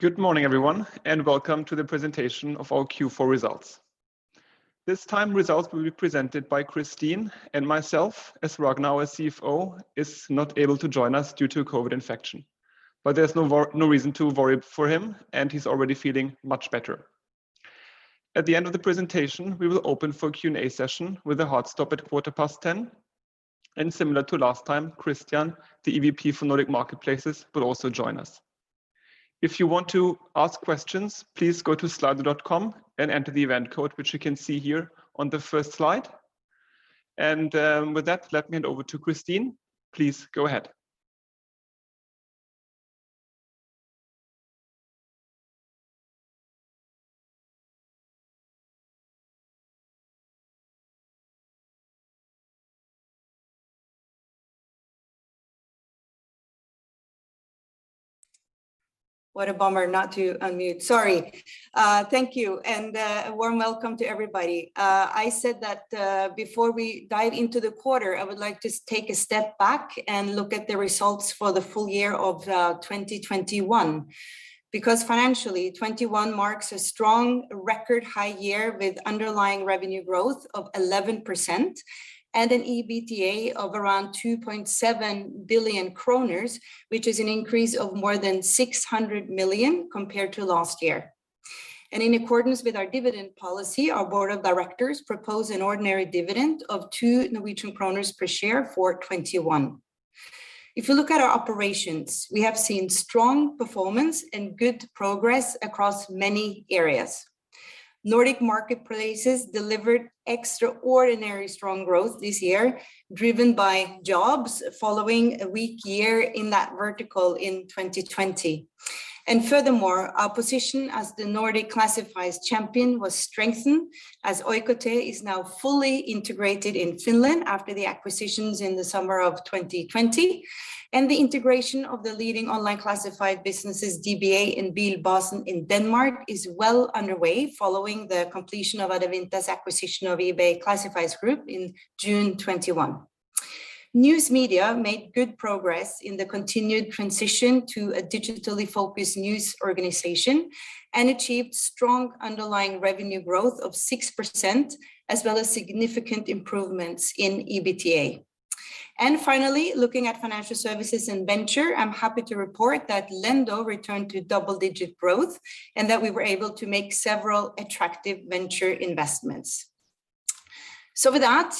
Good morning, everyone, and welcome to the presentation of our Q4 results. This time, results will be presented by Kristin and myself, as Ragnar, our CFO, is not able to join us due to a COVID infection. There's no reason to worry for him, and he's already feeling much better. At the end of the presentation, we will open for a Q&A session with a hard stop at 10:15 A.M. Similar to last time, Christian, the EVP for Nordic Marketplaces, will also join us. If you want to ask questions, please go to slido.com and enter the event code, which you can see here on the first slide. With that, let me hand over to Kristin. Please, go ahead. What a bummer not to unmute. Sorry. Thank you, and a warm welcome to everybody. I said that before we dive into the quarter, I would like to take a step back and look at the results for the full year of 2021. Because financially, 2021 marks a strong record high year with underlying revenue growth of 11% and an EBITDA of around 2.7 billion kroner, which is an increase of more than 600 million compared to last year. In accordance with our dividend policy, our board of directors propose an ordinary dividend of 2 Norwegian kroner per share for 2021. If you look at our operations, we have seen strong performance and good progress across many areas. Nordic Marketplaces delivered extraordinary strong growth this year, driven by jobs following a weak year in that vertical in 2020. Furthermore, our position as the Nordic classifieds champion was strengthened as Oikotie is now fully integrated in Finland after the acquisitions in the summer of 2020. The integration of the leading online classified businesses DBA and Bilbasen in Denmark is well underway following the completion of Adevinta's acquisition of eBay Classifieds Group in June 2021. News Media made good progress in the continued transition to a digitally focused news organization and achieved strong underlying revenue growth of 6%, as well as significant improvements in EBITDA. Finally, looking at Financial Services and Venture, I'm happy to report that Lendo returned to double-digit growth and that we were able to make several attractive venture investments. With that,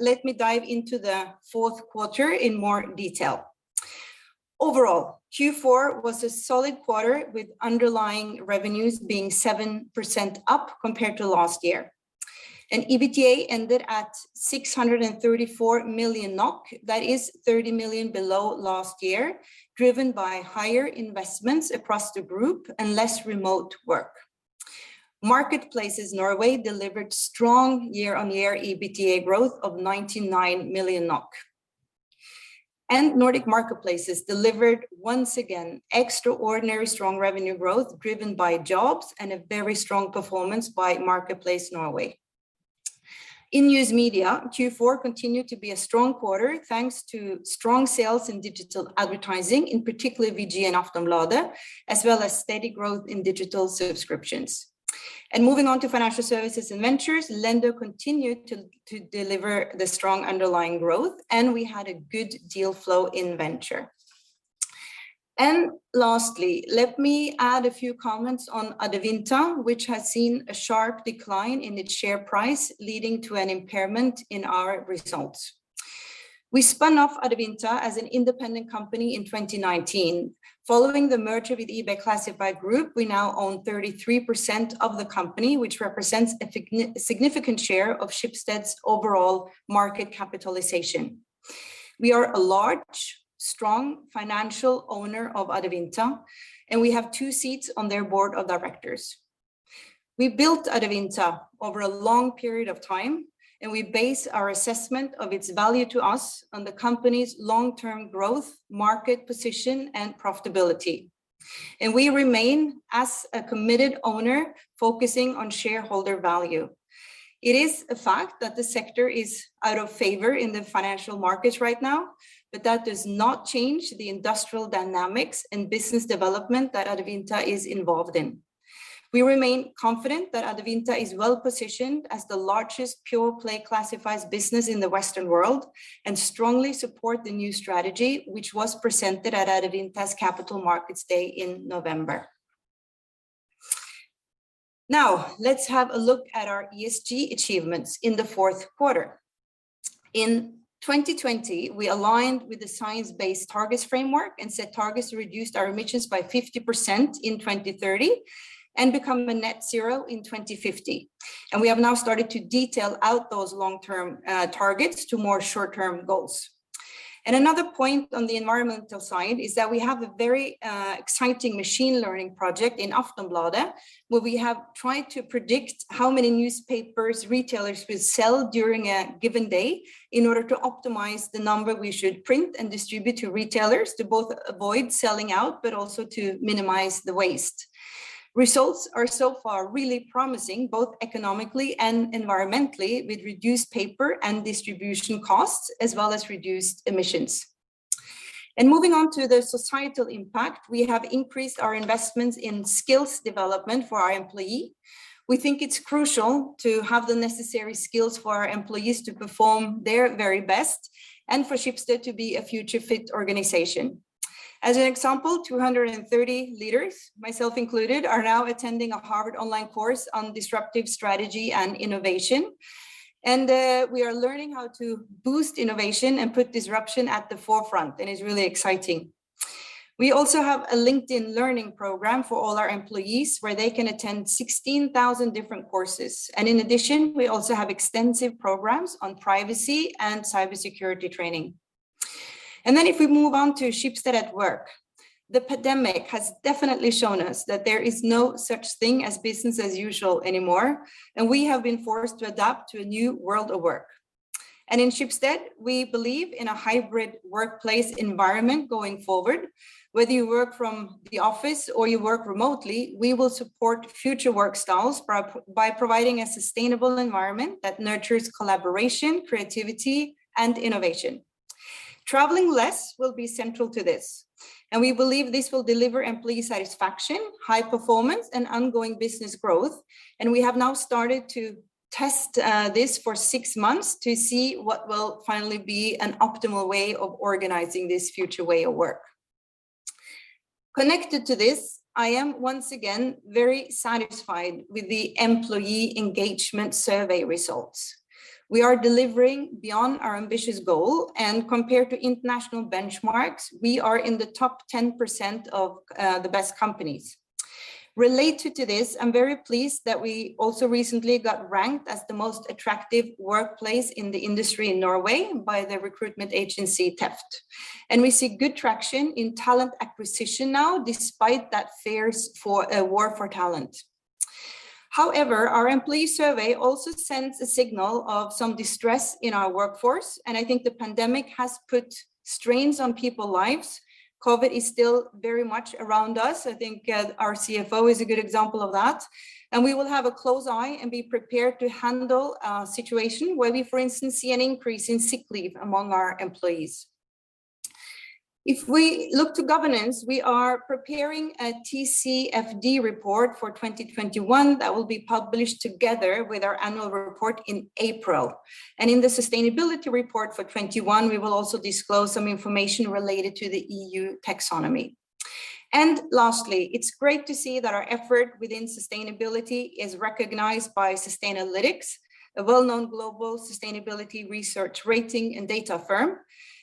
let me dive into the fourth quarter in more detail. Overall, Q4 was a solid quarter with underlying revenues being 7% up compared to last year. EBITDA ended at 634 million NOK. That is 30 million below last year, driven by higher investments across the group and less remote work. Marketplaces Norway delivered strong year-on-year EBITDA growth of 99 million NOK. Nordic Marketplaces delivered, once again, extraordinary strong revenue growth driven by jobs and a very strong performance by marketplaces Norway. In News Media, Q4 continued to be a strong quarter, thanks to strong sales in digital advertising, in particular VG and Aftenbladet, as well as steady growth in digital subscriptions. Moving on to Financial Services and Ventures, Lendo continued to deliver the strong underlying growth, and we had a good deal flow in Ventures. Lastly, let me add a few comments on Adevinta, which has seen a sharp decline in its share price, leading to an impairment in our results. We spun off Adevinta as an independent company in 2019. Following the merger with eBay Classifieds Group, we now own 33% of the company, which represents a significant share of Schibsted's overall market capitalization. We are a large, strong financial owner of Adevinta, and we have two seats on their board of directors. We built Adevinta over a long period of time, and we base our assessment of its value to us on the company's long-term growth, market position, and profitability. We remain as a committed owner focusing on shareholder value. It is a fact that the sector is out of favor in the financial markets right now, but that does not change the industrial dynamics and business development that Adevinta is involved in. We remain confident that Adevinta is well-positioned as the largest pure-play classifieds business in the Western world and strongly support the new strategy, which was presented at Adevinta's Capital Markets Day in November. Now, let's have a look at our ESG achievements in the fourth quarter. In 2020, we aligned with the Science Based Targets framework and set targets to reduce our emissions by 50% in 2030 and become a net zero in 2050. We have now started to detail out those long-term targets to more short-term goals. Another point on the environmental side is that we have a very exciting machine learning project in Aftenbladet, where we have tried to predict how many newspapers retailers will sell during a given day in order to optimize the number we should print and distribute to retailers to both avoid selling out, but also to minimize the waste. Results are so far really promising, both economically and environmentally, with reduced paper and distribution costs, as well as reduced emissions. Moving on to the societal impact, we have increased our investments in skills development for our employees. We think it's crucial to have the necessary skills for our employees to perform their very best and for Schibsted to be a future fit organization. As an example, 230 leaders, myself included, are now attending a Harvard online course on disruptive strategy and innovation, and we are learning how to boost innovation and put disruption at the forefront, and it's really exciting. We also have a LinkedIn learning program for all our employees where they can attend 16,000 different courses. In addition, we also have extensive programs on privacy and cybersecurity training. If we move on to Schibsted at work, the pandemic has definitely shown us that there is no such thing as business as usual anymore, and we have been forced to adapt to a new world of work. In Schibsted, we believe in a hybrid workplace environment going forward. Whether you work from the office or you work remotely, we will support future work styles by providing a sustainable environment that nurtures collaboration, creativity, and innovation. Traveling less will be central to this, and we believe this will deliver employee satisfaction, high performance, and ongoing business growth. We have now started to test this for six months to see what will finally be an optimal way of organizing this future way of work. Connected to this, I am once again very satisfied with the employee engagement survey results. We are delivering beyond our ambitious goal, and compared to international benchmarks, we are in the top 10% of the best companies. Related to this, I'm very pleased that we also recently got ranked as the most attractive workplace in the industry in Norway by the recruitment agency, TEFT. We see good traction in talent acquisition now, despite that fierce war for talent. However, our employee survey also sends a signal of some distress in our workforce, and I think the pandemic has put strains on people's lives. COVID is still very much around us. I think our CFO is a good example of that. We will have a close eye and be prepared to handle a situation where we, for instance, see an increase in sick leave among our employees. If we look to governance, we are preparing a TCFD report for 2021 that will be published together with our annual report in April. In the sustainability report for 2021, we will also disclose some information related to the EU taxonomy. Lastly, it's great to see that our effort within sustainability is recognized by Sustainalytics, a well-known global sustainability research rating and data firm.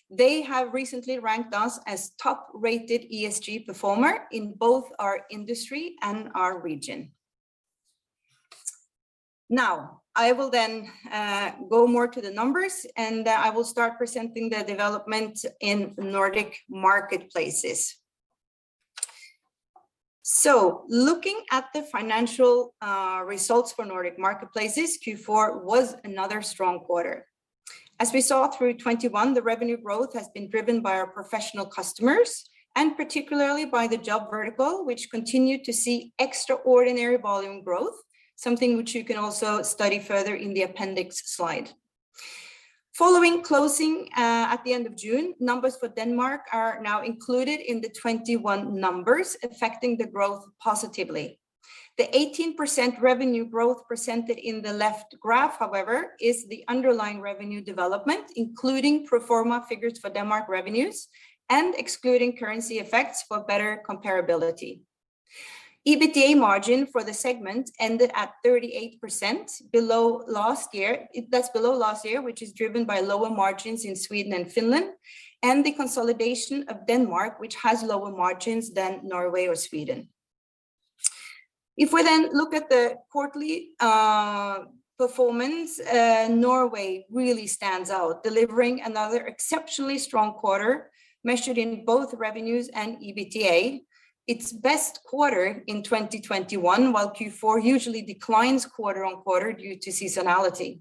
They have recently ranked us as top rated ESG performer in both our industry and our region. Now, I will then go more to the numbers, and I will start presenting the development in Nordic Marketplaces. Looking at the financial results for Nordic Marketplaces, Q4 was another strong quarter. As we saw through 2021, the revenue growth has been driven by our professional customers, and particularly by the job vertical, which continued to see extraordinary volume growth, something which you can also study further in the appendix slide. Following closing at the end of June, numbers for Denmark are now included in the 2021 numbers, affecting the growth positively. The 18% revenue growth presented in the left graph, however, is the underlying revenue development, including pro forma figures for Denmark revenues and excluding currency effects for better comparability. EBITDA margin for the segment ended at 38%, below last year. That's below last year, which is driven by lower margins in Sweden and Finland and the consolidation of Denmark, which has lower margins than Norway or Sweden. If we then look at the quarterly performance, Norway really stands out, delivering another exceptionally strong quarter measured in both revenues and EBITDA, its best quarter in 2021, while Q4 usually declines quarter-on-quarter due to seasonality.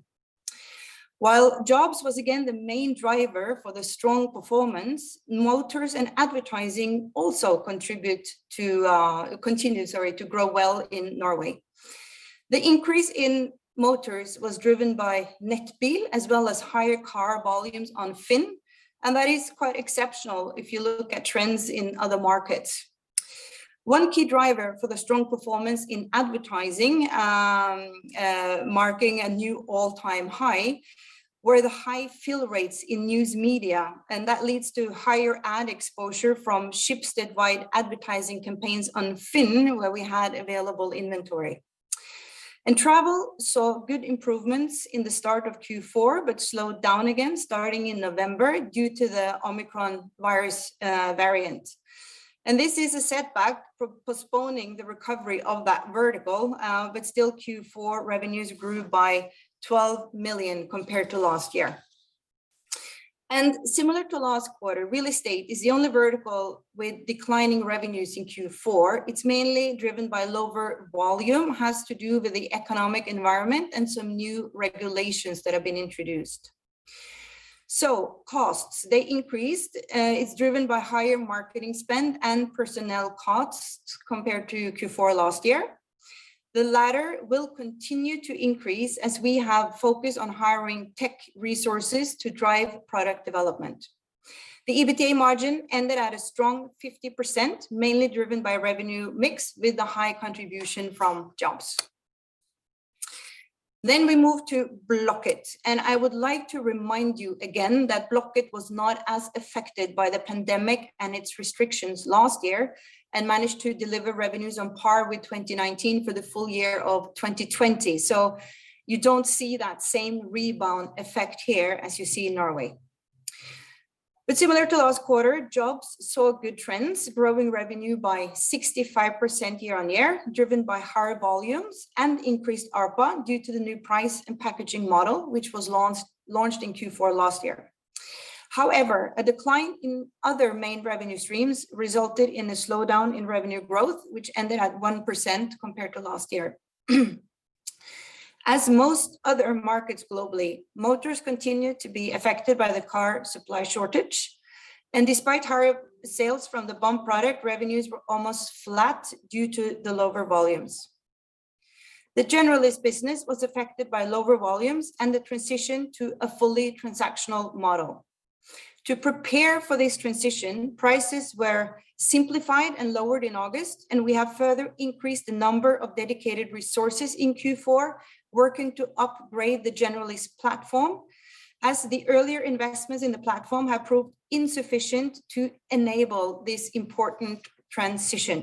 While jobs was again the main driver for the strong performance, motors and advertising also continued to grow well in Norway. The increase in motors was driven by Nettbil as well as higher car volumes on FINN, and that is quite exceptional if you look at trends in other markets. One key driver for the strong performance in advertising, marking a new all-time high, were the high fill rates in news media, and that leads to higher ad exposure from Schibsted-wide advertising campaigns on FINN, where we had available inventory. Travel saw good improvements in the start of Q4, but slowed down again starting in November due to the Omicron virus variant. This is a setback for postponing the recovery of that vertical, but still Q4 revenues grew by 12 million compared to last year. Similar to last quarter, real estate is the only vertical with declining revenues in Q4. It's mainly driven by lower volume, has to do with the economic environment and some new regulations that have been introduced. Costs, they increased. It's driven by higher marketing spend and personnel costs compared to Q4 last year. The latter will continue to increase as we have focused on hiring tech resources to drive product development. The EBITDA margin ended at a strong 50%, mainly driven by revenue mix with the high contribution from Jobs. We move to Blocket, and I would like to remind you again that Blocket was not as affected by the pandemic and its restrictions last year and managed to deliver revenues on par with 2019 for the full year of 2020. You don't see that same rebound effect here as you see in Norway. Similar to last quarter, Jobs saw good trends, growing revenue by 65% year-on-year, driven by higher volumes and increased ARPA due to the new price and packaging model, which was launched in Q4 last year. However, a decline in other main revenue streams resulted in a slowdown in revenue growth, which ended at 1% compared to last year. As most other markets globally, Motors continued to be affected by the car supply shortage. Despite higher sales from the Bud product, revenues were almost flat due to the lower volumes. The Generalist business was affected by lower volumes and the transition to a fully transactional model. To prepare for this transition, prices were simplified and lowered in August, and we have further increased the number of dedicated resources in Q4 working to upgrade the Generalist platform, as the earlier investments in the platform have proved insufficient to enable this important transition.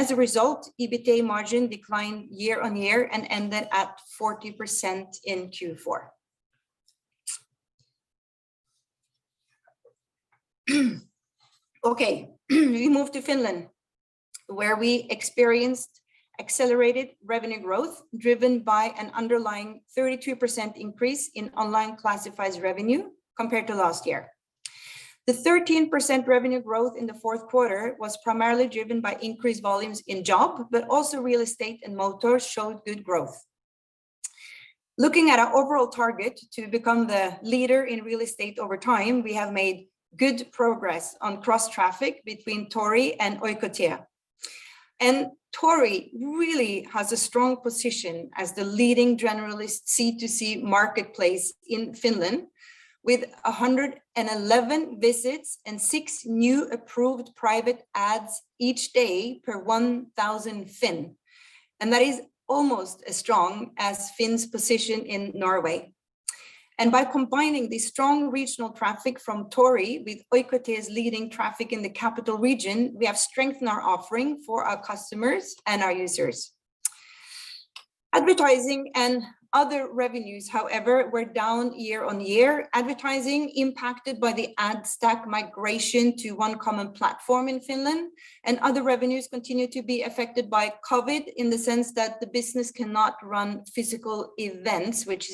As a result, EBITDA margin declined year-on-year and ended at 40% in Q4. Okay. We move to Finland, where we experienced accelerated revenue growth driven by an underlying 32% increase in online classifieds revenue compared to last year. The 13% revenue growth in the fourth quarter was primarily driven by increased volumes in Job, but also Real Estate and Motors showed good growth. Looking at our overall target to become the leader in real estate over time, we have made good progress on cross-traffic between Tori and Oikotie. Tori really has a strong position as the leading generalist C2C marketplace in Finland with 111 visits and six new approved private ads each day per 1,000 FINN. That is almost as strong as FINNs position in Norway. By combining the strong regional traffic from Tori with Oikotie's leading traffic in the capital region, we have strengthened our offering for our customers and our users. Advertising and other revenues, however, were down year-on-year, advertising impacted by the ad stack migration to one common platform in Finland. Other revenues continue to be affected by COVID in the sense that the business cannot run physical events, which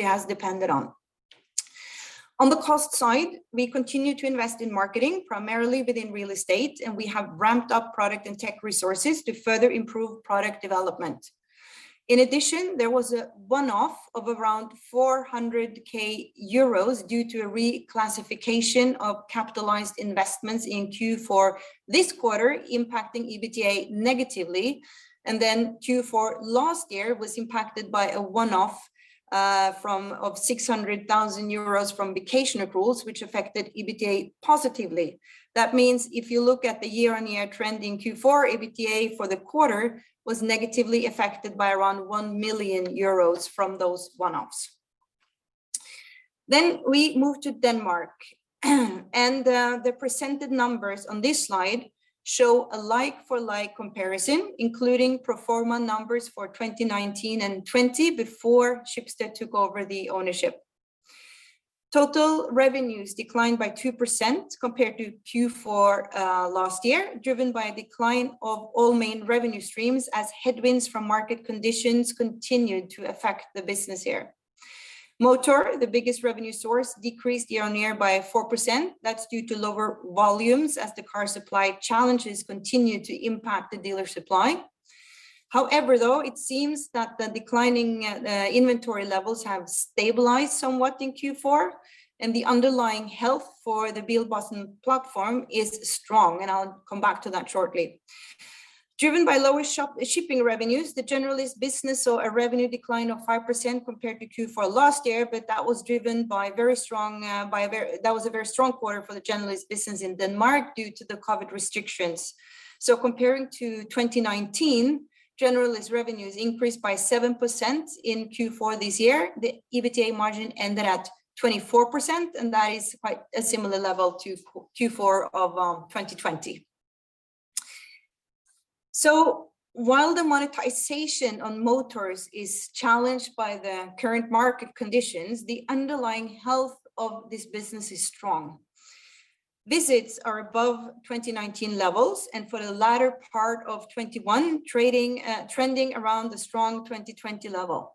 it has depended on. On the cost side, we continue to invest in marketing, primarily within real estate, and we have ramped up product and tech resources to further improve product development. In addition, there was a one-off of around 400,000 euros due to a reclassification of capitalized investments in Q4 this quarter impacting EBITDA negatively. Q4 last year was impacted by a one-off of 600,000 euros from vacation approvals, which affected EBITDA positively. That means if you look at the year-on-year trend in Q4, EBITDA for the quarter was negatively affected by around 1 million euros from those one-offs. We move to Denmark. The presented numbers on this slide show a like-for-like comparison, including pro forma numbers for 2019 and 2020 before Schibsted took over the ownership. Total revenues declined by 2% compared to Q4 last year, driven by a decline of all main revenue streams as headwinds from market conditions continued to affect the business here. Motor, the biggest revenue source, decreased year-on-year by 4%, that's due to lower volumes as the car supply challenges continue to impact the dealer supply. However, though, it seems that the declining inventory levels have stabilized somewhat in Q4, and the underlying health for the Bilbasen platform is strong, and I'll come back to that shortly. Driven by lower shipping revenues, the generalist business saw a revenue decline of 5% compared to Q4 last year, but that was driven by a very strong quarter for the generalist business in Denmark due to the COVID restrictions. Comparing to 2019, Generalist revenues increased by 7% in Q4 this year. The EBITDA margin ended at 24%, and that is quite a similar level to Q4 of 2020. While the monetization on Motors is challenged by the current market conditions, the underlying health of this business is strong. Visits are above 2019 levels, and for the latter part of 2021, trading trending around the strong 2020 level.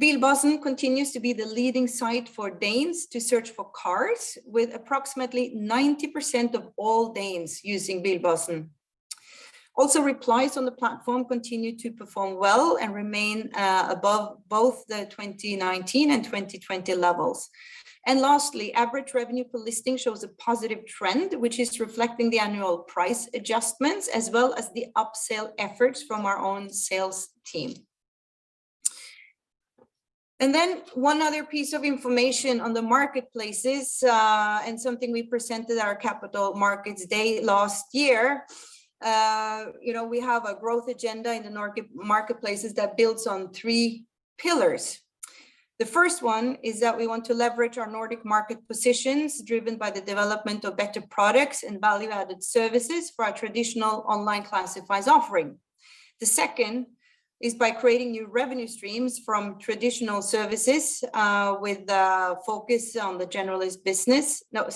Bilbasen continues to be the leading site for Danes to search for cars with approximately 90% of all Danes using Bilbasen. Also replies on the platform continue to perform well and remain above both the 2019 and 2020 levels. Lastly, average revenue per listing shows a positive trend, which is reflecting the annual price adjustments as well as the upsell efforts from our own sales team. One other piece of information on the marketplaces, and something we presented at our Capital Markets Day last year. You know, we have a growth agenda in the Nordic Marketplaces that builds on three pillars. The first one is that we want to leverage our Nordic market positions driven by the development of better products and value-added services for our traditional online classifieds offering. The second is by creating new revenue streams from transactional services with focus on the generalist business and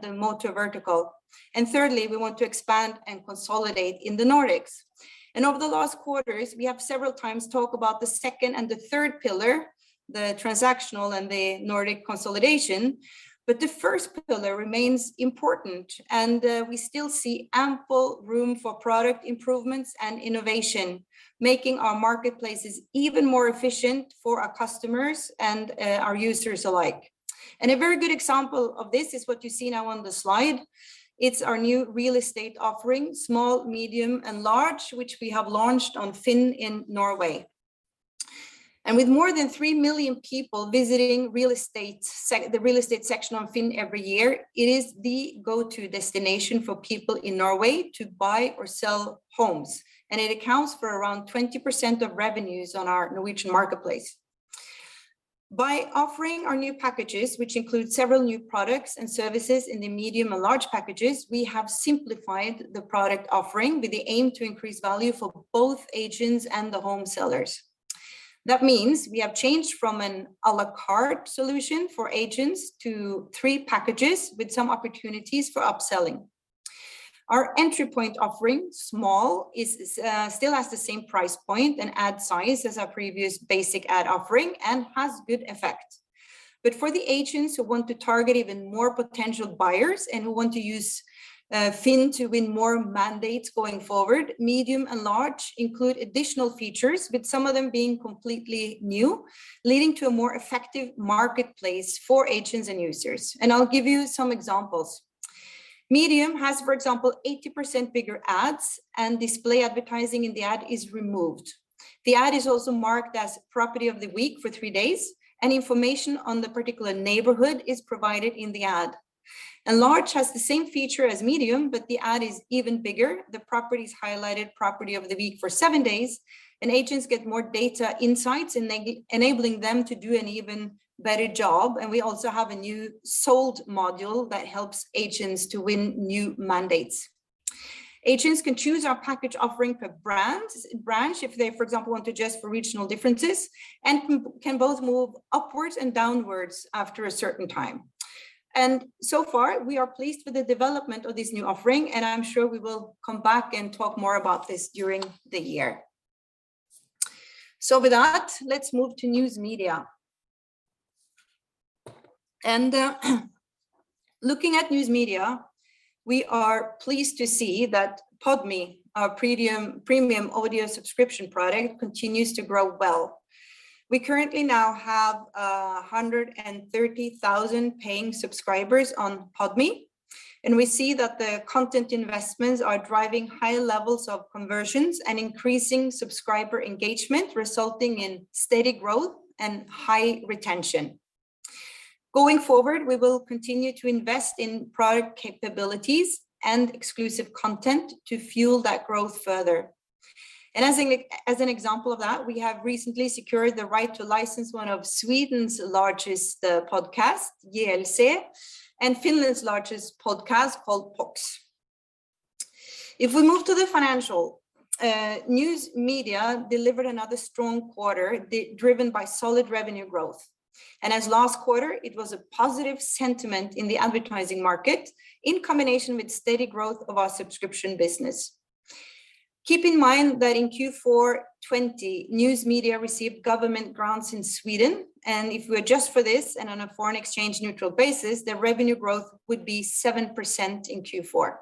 the motor vertical. Thirdly, we want to expand and consolidate in the Nordics. Over the last quarters, we have several times talked about the second and the third pillar, the transactional and the Nordic consolidation. The first pillar remains important, and we still see ample room for product improvements and innovation, making our marketplaces even more efficient for our customers and our users alike. A very good example of this is what you see now on the slide. It's our new real estate offering, small, medium, and large which we have launched on FINN in Norway. With more than three million people visiting the real estate section on FINN every year, it is the go-to destination for people in Norway to buy or sell homes. It accounts for around 20% of revenues on our Norwegian marketplace. By offering our new packages, which include several new products and services in the medium and large packages, we have simplified the product offering with the aim to increase value for both agents and the home sellers. That means we have changed from an à la carte solution for agents to three packages with some opportunities for upselling. Our entry point offering, small, still has the same price point and ad size as our previous basic ad offering and has good effect. For the agents who want to target even more potential buyers and who want to use FINN to win more mandates going forward, medium and large include additional features, with some of them being completely new, leading to a more effective marketplace for agents and users. I'll give you some examples. Medium has for example, 80% bigger ads, and display advertising in the ad is removed. The ad is also marked as Property of the Week for three days, and information on the particular neighborhood is provided in the ad. Large has the same feature as medium, but the ad is even bigger. The property is highlighted Property of the Week for seven days, and agents get more data insights enabling them to do an even better job. We also have a new sold module that helps agents to win new mandates. Agents can choose our package offering per branch if they for example, want to adjust for regional differences, and can both move upwards and downwards after a certain time. So far, we are pleased with the development of this new offering, and I'm sure we will come back and talk more about this during the year. With that, let's move to News Media. Looking at News Media, we are pleased to see that Podme, our premium audio subscription product, continues to grow well. We currently now have 130,000 paying subscribers on Podme, and we see that the content investments are driving high levels of conversions and increasing subscriber engagement, resulting in steady growth and high retention. Going forward, we will continue to invest in product capabilities and exclusive content to fuel that growth further. As an example of that, we have recently secured the right to license one of Sweden's largest podcasts, GLC, and Finland's largest podcast called POKS. If we move to the financial, News Media delivered another strong quarter driven by solid revenue growth. As last quarter, it was a positive sentiment in the advertising market in combination with steady growth of our subscription business. Keep in mind that in Q4 2020, News Media received government grants in Sweden, and if we adjust for this and on a foreign exchange neutral basis, the revenue growth would be 7% in Q4.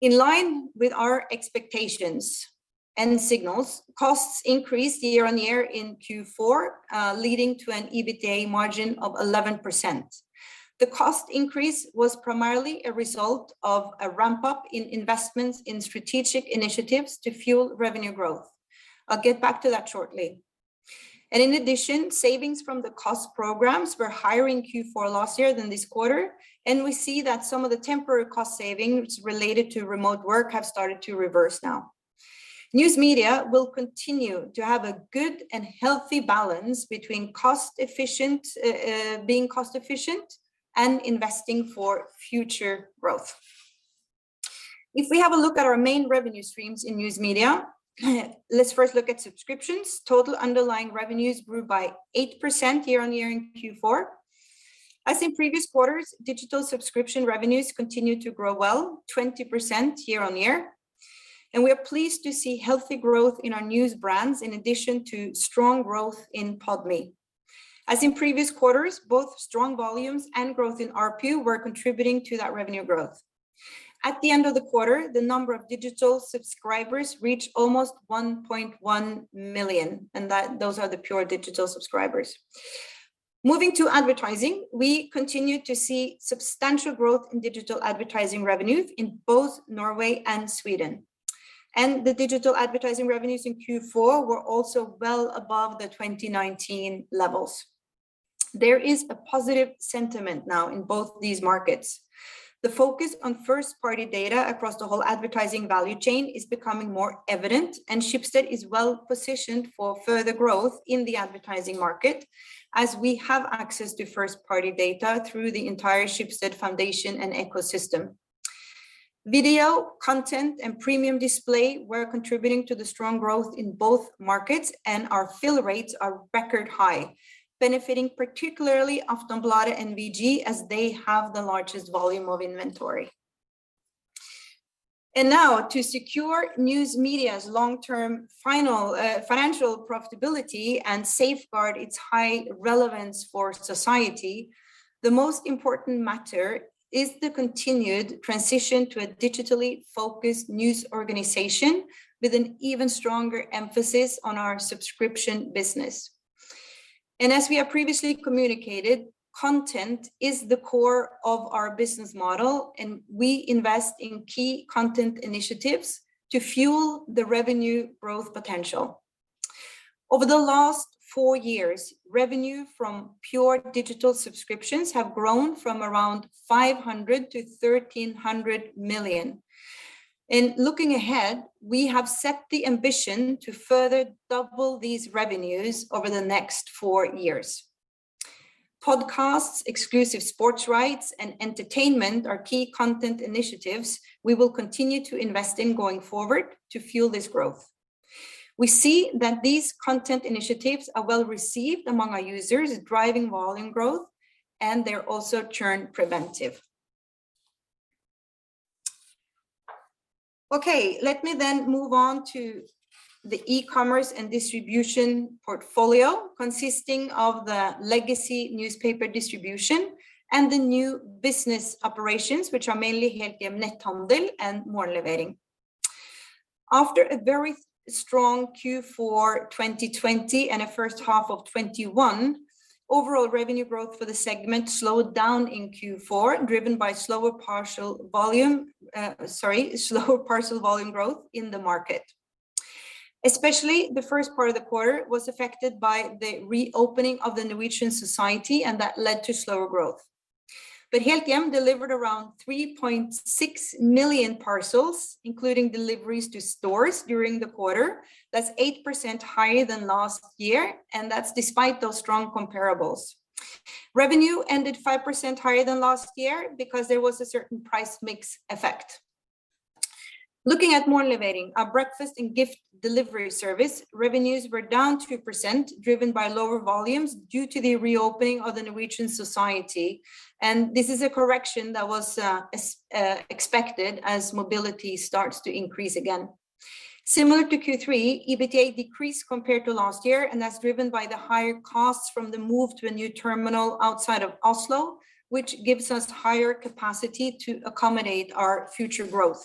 In line with our expectations and signals, costs increased year-on-year in Q4, leading to an EBITDA margin of 11%. The cost increase was primarily a result of a ramp-up in investments in strategic initiatives to fuel revenue growth. I'll get back to that shortly. In addition, savings from the cost programs were higher in Q4 last year than this quarter, and we see that some of the temporary cost savings related to remote work have started to reverse now. News Media will continue to have a good and healthy balance between cost-efficient, being cost-efficient and investing for future growth. If we have a look at our main revenue streams in News Media, let's first look at subscriptions. Total underlying revenues grew by 8% year-on-year in Q4. As in previous quarters, digital subscription revenues continued to grow well, 20% year-on-year. We are pleased to see healthy growth in our news brands, in addition to strong growth in Podme. As in previous quarters, both strong volumes and growth in ARPU were contributing to that revenue growth. At the end of the quarter, the number of digital subscribers reached almost 1.1 million, and that, those are the pure digital subscribers. Moving to advertising, we continue to see substantial growth in digital advertising revenues in both Norway and Sweden. The digital advertising revenues in Q4 were also well above the 2019 levels. There is a positive sentiment now in both these markets. The focus on first-party data across the whole advertising value chain is becoming more evident, and Schibsted is well-positioned for further growth in the advertising market, as we have access to first-party data through the entire Schibsted foundation and ecosystem. Video, content, and premium display were contributing to the strong growth in both markets, and our fill rates are record high, benefiting particularly Aftenbladet and VG, as they have the largest volume of inventory. Now to secure news media's long-term financial profitability and safeguard its high relevance for society, the most important matter is the continued transition to a digitally-focused news organization with an even stronger emphasis on our subscription business. As we have previously communicated, content is the core of our business model, and we invest in key content initiatives to fuel the revenue growth potential. Over the last four years, revenue from pure digital subscriptions has grown from around 500 million to 1,300 million. In looking ahead, we have set the ambition to further double these revenues over the next four years. Podcasts, exclusive sports rights, and entertainment are key content initiatives we will continue to invest in going forward to fuel this growth. We see that these content initiatives are well-received among our users, driving volume growth, and they're also churn preventive. Okay, let me then move on to the e-commerce and distribution portfolio, consisting of the legacy newspaper distribution and the new business operations, which are mainly Helthjem Netthandel and Morgenlevering. After a very strong Q4 2020 and a first half of 2021, overall revenue growth for the segment slowed down in Q4, driven by slower parcel volume growth in the market. Especially the first part of the quarter was affected by the reopening of the Norwegian society, and that led to slower growth. Helthjem delivered around 3.6 million parcels, including deliveries to stores during the quarter. That's 8% higher than last year, and that's despite those strong comparables. Revenue ended 5% higher than last year because there was a certain price mix effect. Looking at Morgenlevering, our breakfast and gift delivery service, revenues were down 2%, driven by lower volumes due to the reopening of the Norwegian society, and this is a correction that was expected as mobility starts to increase again. Similar to Q3, EBITDA decreased compared to last year, and that's driven by the higher costs from the move to a new terminal outside of Oslo, which gives us higher capacity to accommodate our future growth.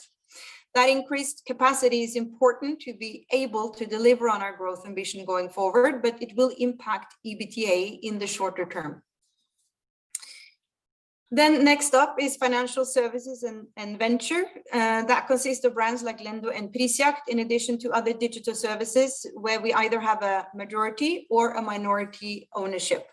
That increased capacity is important to be able to deliver on our growth ambition going forward, but it will impact EBITDA in the shorter term. Next up is financial services and venture that consists of brands like Lendo and Prisjakt in addition to other digital services where we either have a majority or a minority ownership.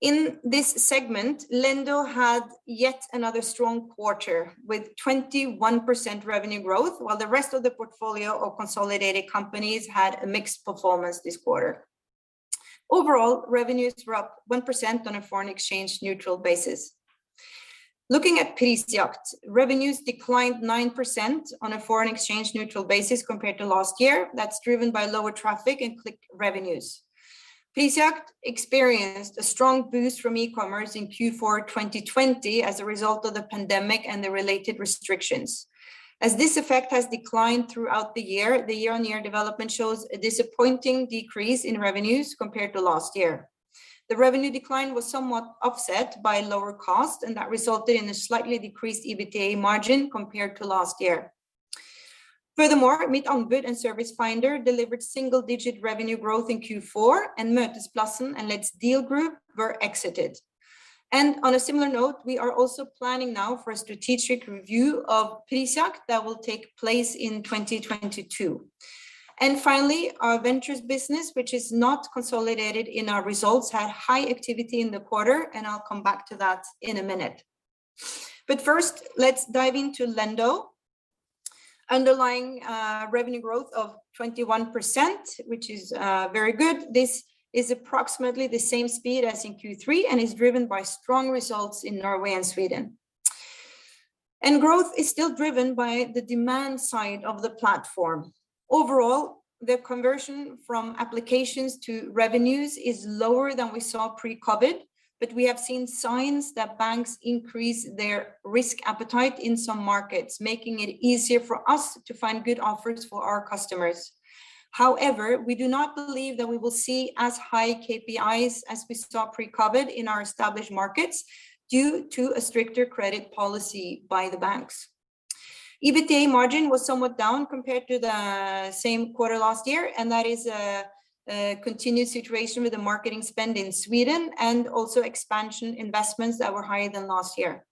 In this segment, Lendo had yet another strong quarter with 21% revenue growth, while the rest of the portfolio of consolidated companies had a mixed performance this quarter. Overall, revenues were up 1% on a foreign exchange neutral basis. Looking at Prisjakt, revenues declined 9% on a foreign exchange neutral basis compared to last year. That's driven by lower traffic and click revenues. Prisjakt experienced a strong boost from e-commerce in Q4 2020 as a result of the pandemic and the related restrictions. As this effect has declined throughout the year, the year-on-year development shows a disappointing decrease in revenues compared to last year. The revenue decline was somewhat offset by lower cost, and that resulted in a slightly decreased EBITDA margin compared to last year. Furthermore, Mittanbud and Servicefinder delivered single-digit revenue growth in Q4, and Møteplassen and Let's Deal Group were exited. On a similar note, we are also planning now for a strategic review of Prisjakt that will take place in 2022. Finally, our ventures business, which is not consolidated in our results, had high activity in the quarter, and I'll come back to that in a minute. First, let's dive into Lendo. Underlying revenue growth of 21%, which is very good. This is approximately the same speed as in Q3 and is driven by strong results in Norway and Sweden. Growth is still driven by the demand side of the platform. Overall, the conversion from applications to revenues is lower than we saw pre-COVID, but we have seen signs that banks increase their risk appetite in some markets, making it easier for us to find good offers for our customers. However, we do not believe that we will see as high KPIs as we saw pre-COVID in our established markets due to a stricter credit policy by the banks. EBITDA margin was somewhat down compared to the same quarter last year, and that is a continued situation with the marketing spend in Sweden and also expansion investments that were higher than last year.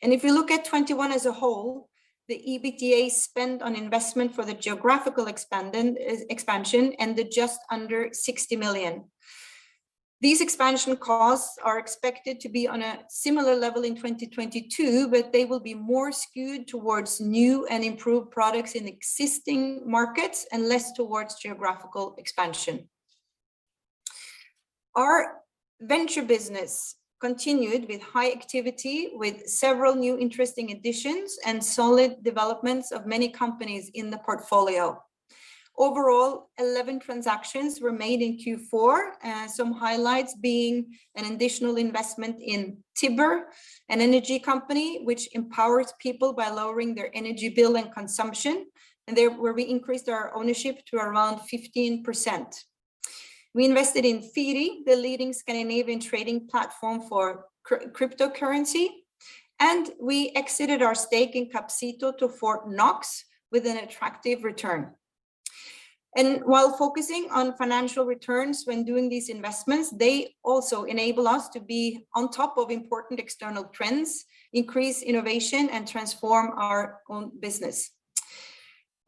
If you look at 2021 as a whole, the EBITDA spend on investment for the geographical expansion ended just under 60 million. These expansion costs are expected to be on a similar level in 2022, but they will be more skewed towards new and improved products in existing markets and less towards geographical expansion. Our venture business continued with high activity, with several new interesting additions and solid developments of many companies in the portfolio. Overall, 11 transactions were made in Q4, some highlights being an additional investment in Tibber, an energy company which empowers people by lowering their energy bill and consumption, and where we increased our ownership to around 15%. We invested in Firi, the leading Scandinavian trading platform for cryptocurrency, and we exited our stake in Capsito to Fort Knox with an attractive return. While focusing on financial returns when doing these investments, they also enable us to be on top of important external trends, increase innovation, and transform our own business.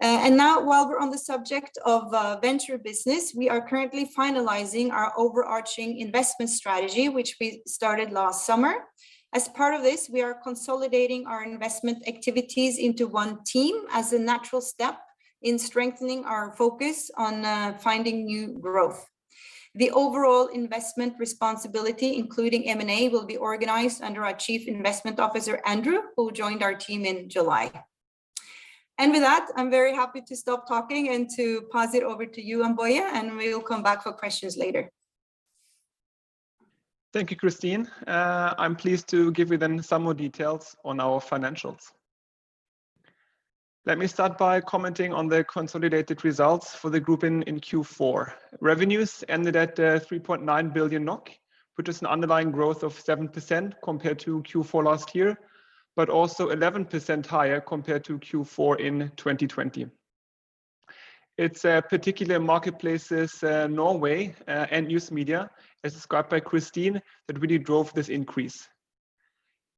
Now while we're on the subject of venture business, we are currently finalizing our overarching investment strategy, which we started last summer. As part of this, we are consolidating our investment activities into one team as a natural step in strengthening our focus on finding new growth. The overall investment responsibility, including M&A, will be organized under our Chief Investment Officer, Andrew, who joined our team in July. With that, I'm very happy to stop talking and to pass it over to you, Jann-Boje Meinecke, and we will come back for questions later. Thank you, Kristin. I'm pleased to give you then some more details on our financials. Let me start by commenting on the consolidated results for the group in Q4. Revenues ended at 3.9 billion NOK, which is an underlying growth of 7% compared to Q4 last year, but also 11% higher compared to Q4 in 2020. It's particularly Marketplaces Norway and News Media, as described by Kristin, that really drove this increase.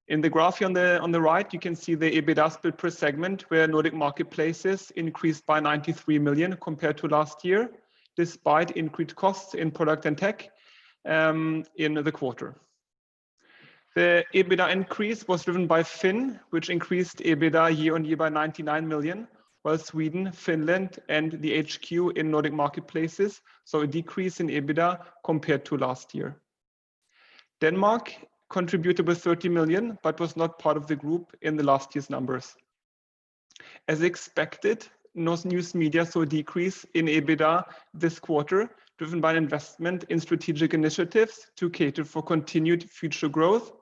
In the graph here on the right, you can see the EBITDA split per segment, where Nordic Marketplaces increased by 93 million compared to last year, despite increased costs in product and tech in the quarter. The EBITDA increase was driven by FINN, which increased EBITDA year-on-year by 99 million, while Sweden, Finland, and the HQ in Nordic Marketplaces saw a decrease in EBITDA compared to last year. Denmark contributed with 30 million, but was not part of the group in the last year's numbers. As expected, News Media saw a decrease in EBITDA this quarter, driven by investment in strategic initiatives to cater for continued future growth,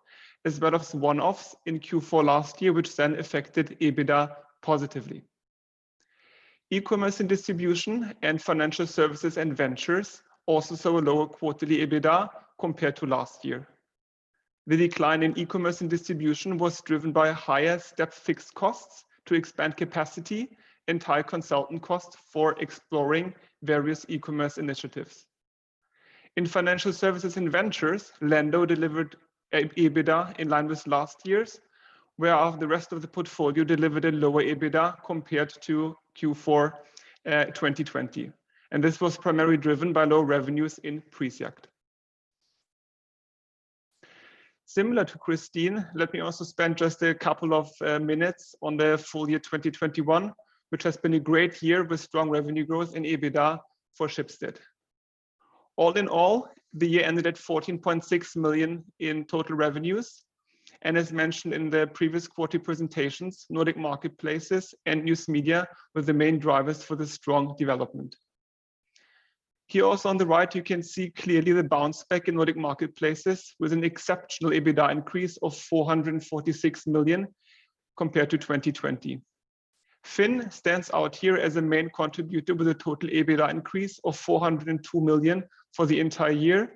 as well as one-offs in Q4 last year which then affected EBITDA positively. E-commerce and Distribution and Financial Services and Ventures also saw a lower quarterly EBITDA compared to last year. The decline in E-commerce and Distribution was driven by higher step fixed costs to expand capacity and high consultant costs for exploring various e-commerce initiatives. In Financial Services and Ventures, Lendo delivered EBITDA in line with last year's, whereof the rest of the portfolio delivered a lower EBITDA compared to Q4 2020. This was primarily driven by low revenues in Prisjakt. Similar to Kristin, let me also spend just a couple of minutes on the full year 2021, which has been a great year with strong revenue growth in EBITDA for Schibsted. All in all, the year ended at 14.6 million in total revenues, and as mentioned in the previous quarter presentations, Nordic Marketplaces and News Media were the main drivers for the strong development. Here also on the right, you can see clearly the bounce back in Nordic Marketplaces with an exceptional EBITDA increase of 446 million compared to 2020. FINN stands out here as a main contributor with a total EBITDA increase of 402 million for the entire year,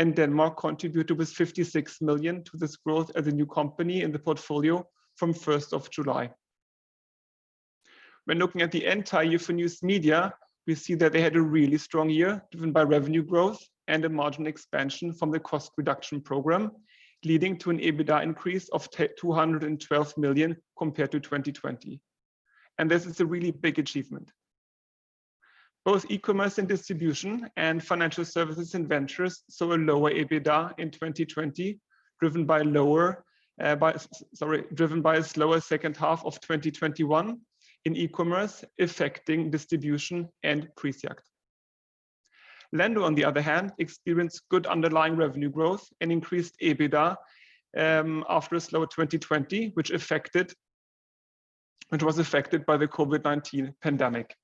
and Denmark contributed with 56 million to this growth as a new company in the portfolio from first of July. When looking at the entire year for News Media, we see that they had a really strong year driven by revenue growth and a margin expansion from the cost reduction program, leading to an EBITDA increase of 212 million compared to 2020. This is a really big achievement. Both E-commerce and Distribution and Financial Services and Ventures saw a lower EBITDA in 2020, driven by a slower second half of 2021 in e-commerce, affecting distribution and Prisjakt. Lendo, on the other hand, experienced good underlying revenue growth and increased EBITDA after a slower 2020, which was affected by the COVID-19 pandemic.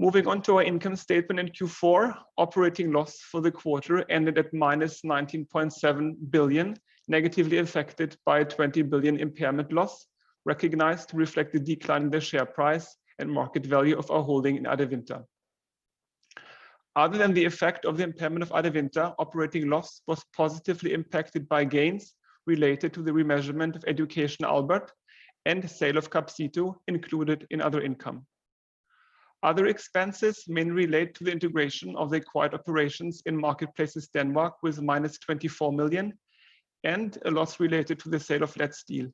Moving on to our income statement in Q4, operating loss for the quarter ended at -19.7 billion, negatively affected by a 20 billion impairment loss recognized to reflect the decline in the share price and market value of our holding in Adevinta. Other than the effect of the impairment of Adevinta, operating loss was positively impacted by gains related to the remeasurement of eEducation Albert and the sale of Capsito included in other income. Other expenses mainly relate to the integration of the acquired operations in Marketplaces Denmark with -24 million and a loss related to the sale of Let's Deal.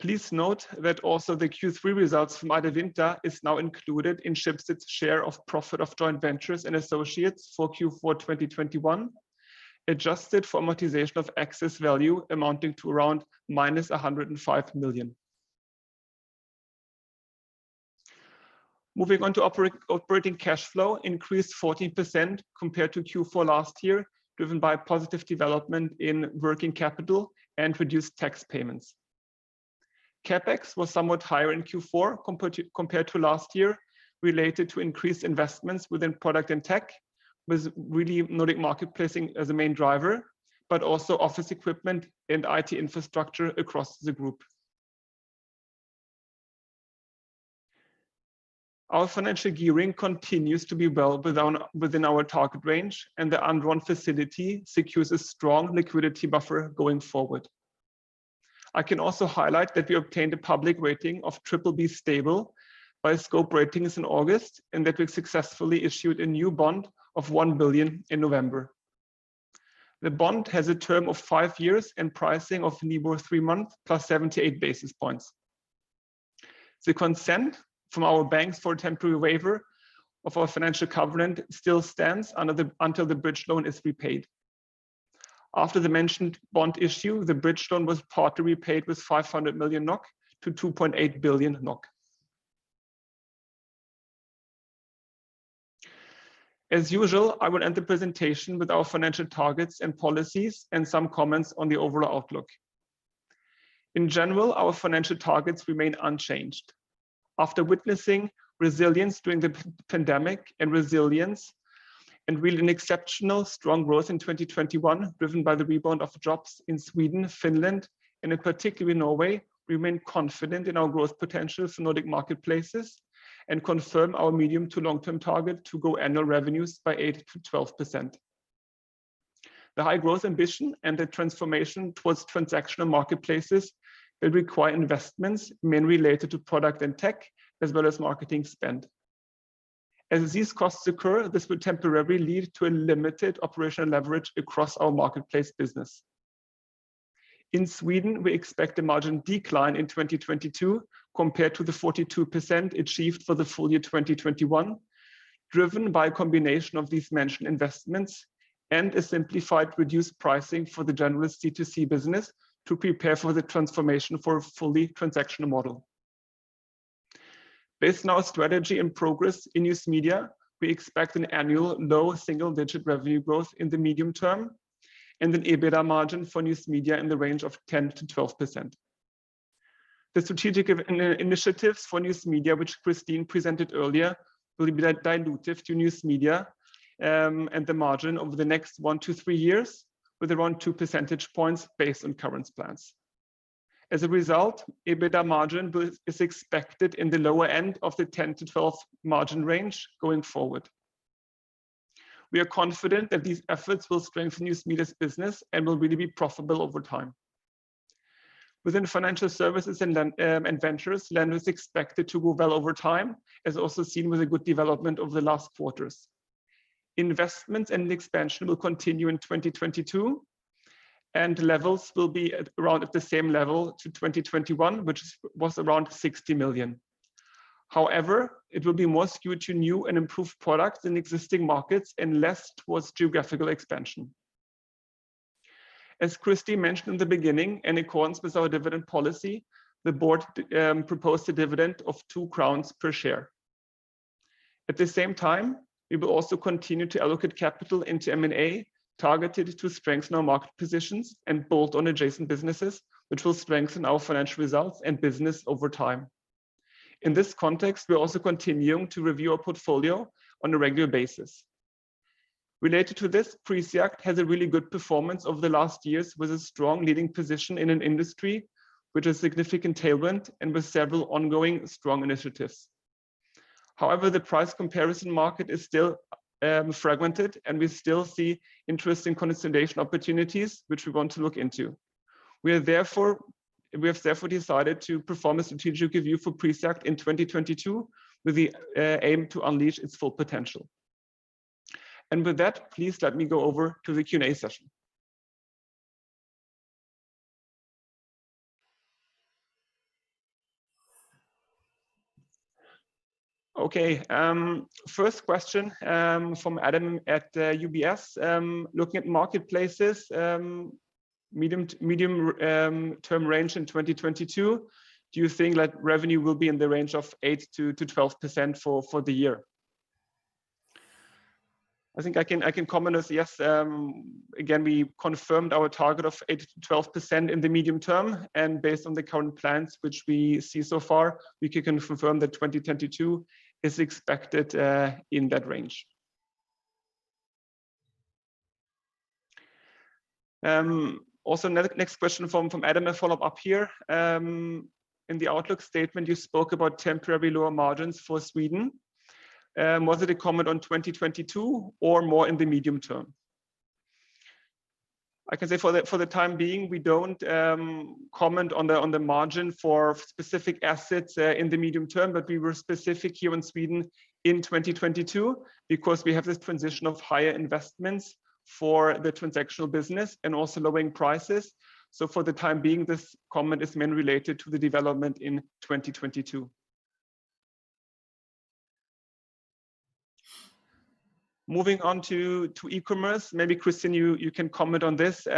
Please note that also the Q3 results from Adevinta is now included in Schibsted's share of profit of joint ventures and associates for Q4 2021, adjusted for amortization of excess value amounting to around -105 million. Moving on to operating cash flow increased 14% compared to Q4 last year, driven by positive development in working capital and reduced tax payments. CapEx was somewhat higher in Q4 compared to last year, related to increased investments within product and tech, with really Nordic Marketplaces as a main driver, but also office equipment and IT infrastructure across the group. Our financial gearing continues to be within our target range, and the undrawn facility secures a strong liquidity buffer going forward. I can also highlight that we obtained a public rating of BBB stable by Scope Ratings in August, and that we successfully issued a new bond of 1 billion in November. The bond has a term of five years and pricing of LIBOR three-month + 78 basis points. The consent from our banks for a temporary waiver of our financial covenant still stands until the bridge loan is repaid. After the mentioned bond issue, the bridge loan was partly repaid with 500 million-2.8 billion NOK. As usual, I will end the presentation with our financial targets and policies and some comments on the overall outlook. In general, our financial targets remain unchanged. After witnessing resilience during the pandemic and resilience and really an exceptionally strong growth in 2021, driven by the rebound from drops in Sweden, Finland, and in particular Norway, we remain confident in our growth potential for Nordic Marketplaces and confirm our medium- to long-term target to grow annual revenues by 8%-12%. The high growth ambition and the transformation towards transactional marketplaces will require investments mainly related to product and tech, as well as marketing spend. As these costs occur, this will temporarily lead to a limited operational leverage across our marketplace business. In Sweden, we expect a margin decline in 2022 compared to the 42% achieved for the full year 2021, driven by a combination of these mentioned investments and a slightly reduced pricing for the generalist DTC business to prepare for the transformation to a fully transactional model. Based on our strategy and progress in News Media, we expect an annual low single-digit revenue growth in the medium term and an EBITDA margin for News Media in the range of 10%-12%. The strategic initiatives for News Media, which Kristin presented earlier, will be dilutive to News Media and the margin over the next one-three years with around two percentage points based on current plans. As a result, EBITDA margin is expected in the lower end of the 10%-12% margin range going forward. We are confident that these efforts will strengthen News Media's business and will really be profitable over time. Within Financial Services and Ventures, Lendo is expected to grow well over time, as also seen with the good development over the last quarters. Investments and expansion will continue in 2022, and levels will be at around the same level as 2021, which was around 60 million. However, it will be more skewed to new and improved products in existing markets and less towards geographical expansion. As Kristin mentioned in the beginning, in accordance with our dividend policy, the board proposed a dividend of 2 crowns per share. At the same time, we will also continue to allocate capital into M&A targeted to strengthen our market positions and build on adjacent businesses, which will strengthen our financial results and business over time. In this context, we are also continuing to review our portfolio on a regular basis. Related to this, Prisjakt has a really good performance over the last years with a strong leading position in an industry which has significant tailwind and with several ongoing strong initiatives. However, the price comparison market is still fragmented, and we still see interesting consolidation opportunities which we want to look into. We have therefore decided to perform a strategic review for Prisjakt in 2022 with the aim to unleash its full potential. With that, please let me go over to the Q&A session. Okay, first question from Adam at UBS. Looking at marketplaces, medium-term range in 2022. Do you think that revenue will be in the range of 8%-12% for the year? I think I can comment as yes. Again, we confirmed our target of 8%-12% in the medium term, and based on the current plans which we see so far, we can confirm that 2022 is expected in that range. Also next question from Adam, a follow-up here. In the outlook statement, you spoke about temporarily lower margins for Sweden. Was it a comment on 2022 or more in the medium term? I can say for the time being, we don't comment on the margin for specific assets in the medium term, but we were specific here in Sweden in 2022 because we have this transition of higher investments for the transactional business and also lowering prices. For the time being, this comment is mainly related to the development in 2022. Moving on to e-commerce, maybe Kristin you can comment on this.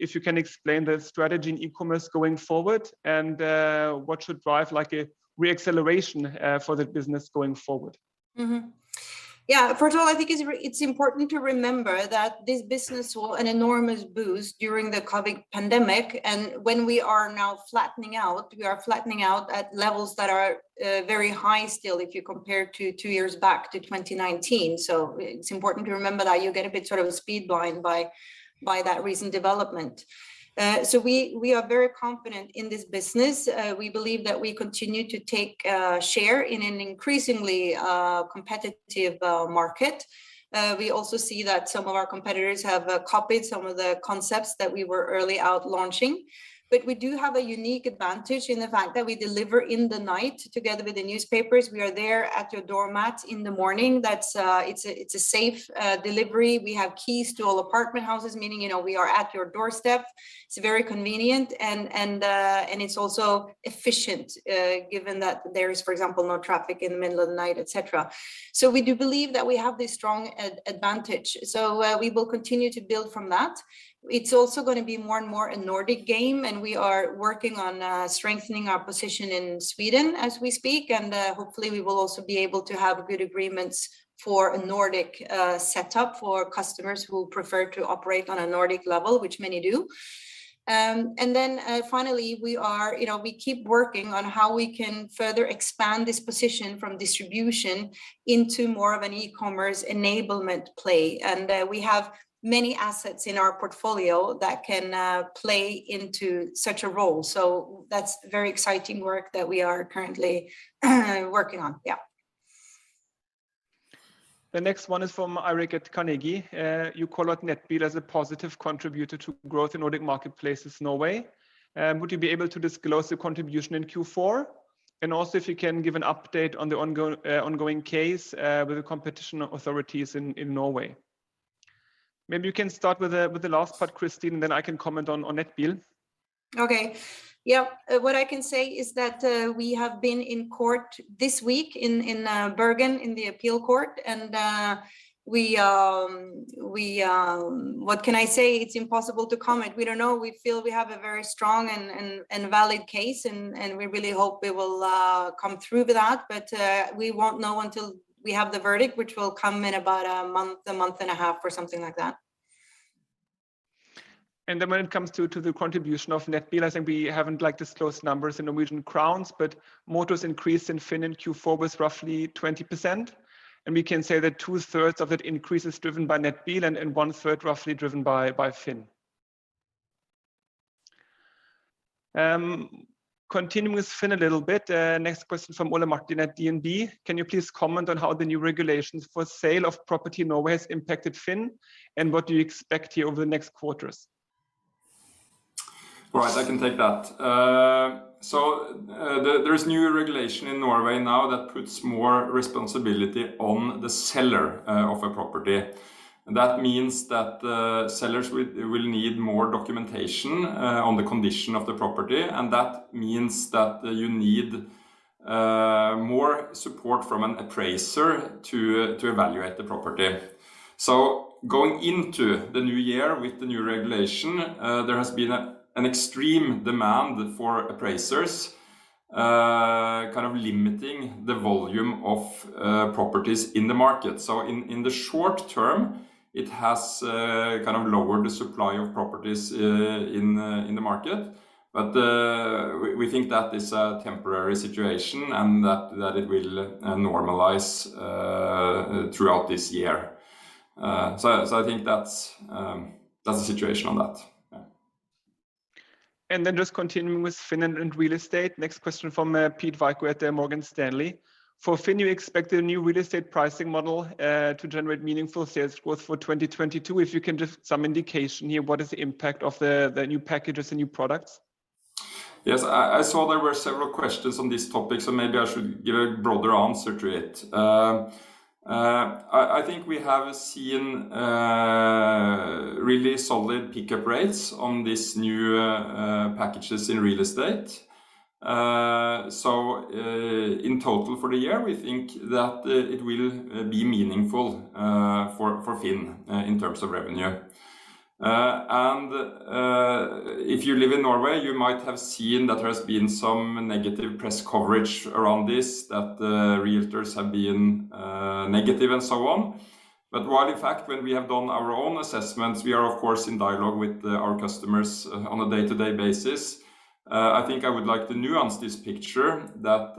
If you can explain the strategy in e-commerce going forward and what should drive like a re-acceleration for the business going forward. First of all, I think it's important to remember that this business saw an enormous boost during the COVID pandemic, and when we are now flattening out, we are flattening out at levels that are very high still if you compare to two years back to 2019. It's important to remember that you get a bit sort of speed blind by that recent development. We are very confident in this business. We believe that we continue to take share in an increasingly competitive market. We also see that some of our competitors have copied some of the concepts that we were early out launching. We do have a unique advantage in the fact that we deliver in the night together with the newspapers. We are there at your doormat in the morning. It's a safe delivery. We have keys to all apartment houses, meaning, you know, we are at your doorstep. It's very convenient and it's also efficient, given that there is, for example, no traffic in the middle of the night, et cetera. We do believe that we have this strong advantage. We will continue to build from that. It's also gonna be more and more a Nordic game, and we are working on strengthening our position in Sweden as we speak. Hopefully we will also be able to have good agreements for a Nordic setup for customers who prefer to operate on a Nordic level, which many do. Finally, we are, you know, we keep working on how we can further expand this position from distribution into more of an e-commerce enablement play. We have many assets in our portfolio that can play into such a role. That's very exciting work that we are currently working on. Yeah. The next one is from Eirik at Carnegie. You call out Nettbil as a positive contributor to growth in Nordic Marketplaces Norway. Would you be able to disclose the contribution in Q4? And also if you can give an update on the ongoing case with the competition authorities in Norway. Maybe you can start with the last part, Kristin, then I can comment on Nettbil. Okay. Yeah. What I can say is that we have been in court this week in Bergen in the appeal court and what can I say? It's impossible to comment. We don't know. We feel we have a very strong and valid case and we really hope we will come through with that. We won't know until we have the verdict, which will come in about a month, a month and a half or something like that. When it comes to the contribution of Nettbil, I think we haven't like disclosed numbers in Norwegian crowns, but Nettbil's increase in FINN in Q4 was roughly 20%. We can say that two thirds of that increase is driven by Nettbil and one third roughly driven by FINN. Continuing with FINN a little bit, next question from Ole Martin at DNB. Can you please comment on how the new regulations for sale of property in Norway has impacted FINN, and what do you expect here over the next quarters? Right. I can take that. There's new regulation in Norway now that puts more responsibility on the seller of a property. That means that sellers will need more documentation on the condition of the property, and that means that you need more support from an appraiser to evaluate the property. Going into the new year with the new regulation, there has been an extreme demand for appraisers kind of limiting the volume of properties in the market. In the short term, it has kind of lowered the supply of properties in the market. We think that is a temporary situation and that it will normalize throughout this year. I think that's the situation on that. Yeah. Just continuing with FINN and real estate. Next question from Pete Paik at Morgan Stanley. For FINN, you expect a new real estate pricing model to generate meaningful sales growth for 2022. If you can just give some indication here, what is the impact of the new packages, the new products? Yes. I saw there were several questions on this topic, so maybe I should give a broader answer to it. I think we have seen really solid pickup rates on these new packages in real estate. In total for the year, we think that it will be meaningful for FINN in terms of revenue. If you live in Norway, you might have seen that there has been some negative press coverage around this, that the realtors have been negative and so on. While in fact when we have done our own assessments, we are of course in dialogue with our customers on a day-to-day basis. I think I would like to nuance this picture that